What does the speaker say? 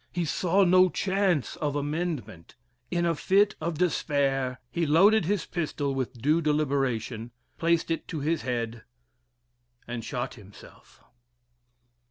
He saw no chance of amendment. In a fit of despair, he loaded his pistol with due deliberation, placed it to his head, and shot himself.